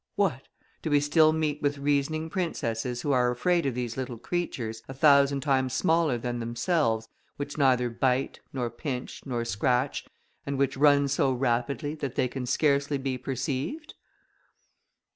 What! do we still meet with reasoning princesses who are afraid of these little creatures, a thousand times smaller than themselves, which neither bite, nor pinch, nor scratch, and which run so rapidly, that they can scarcely be perceived?